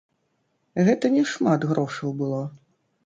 Гэта не шмат грошаў было.